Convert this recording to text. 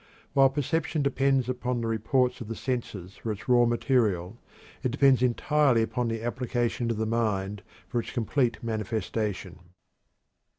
While perception depends upon the reports of the senses for its raw material, it depends entirely upon the application of the mind for its complete manifestation.